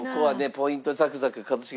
ポイントザクザク一茂さん